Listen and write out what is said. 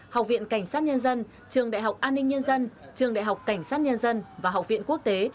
học viện cảnh sát nhân dân trường đại học an ninh nhân dân trường đại học cảnh sát nhân dân và học viện quốc tế